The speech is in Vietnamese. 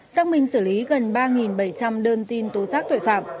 xác minh xử lý gần ba bảy trăm linh đơn tin tố giác tội phạm